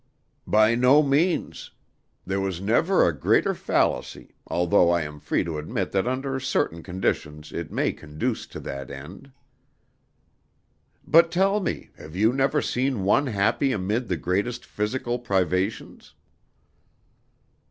"By no means. There was never a greater fallacy, although I am free to admit that under certain conditions it may conduce to that end. But tell me, have you never seen one happy amid the greatest physical privations?"